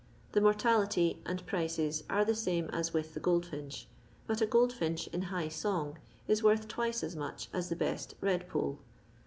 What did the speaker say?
The mortalitj and pricei are the nme as with the goldfinch, bat a goldfinch in high song is worth twioe as much as the best redpole.